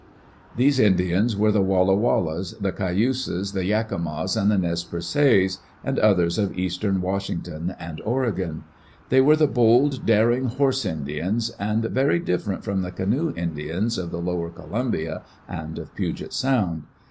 These Indians were the Walla Wallas, the Cayuses, the Yakimas, the Nez Perces, and others of eastern Washing ton and Oregon. They were the bold, daring "horse Indians," and very different from the "canoe Indians" of the lower Columbia and of Puget Sound.